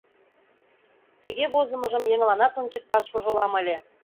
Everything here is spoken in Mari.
— Тыге возымыжым еҥланат ончыкташ вожылам ыле.